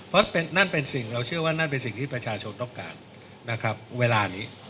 เพราะนั่นเป็นสิ่งเราเชื่อว่านั่นเป็นสิ่งที่ประชาชนต้องการนะครับเวลานี้